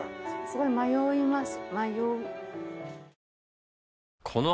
すごい迷います。